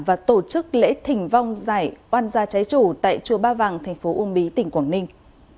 và tổ chức lễ thỉnh vong giải oan gia trái chủ tại chùa ba vàng thành phố uông bí tỉnh quảng ninh